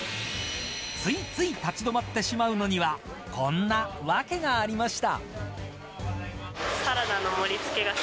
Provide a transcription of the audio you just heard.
ついつい立ち止まってしまうのにはこんなわけがありました。